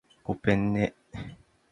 ごぺんね